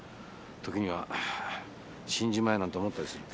時には「死んじまえ」なんて思ったりする。